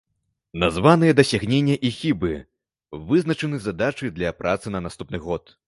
Названыя дасягнення і хібы, вызначаны задачы для працы на наступны год.